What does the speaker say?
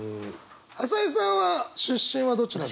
朝井さんは出身はどちら。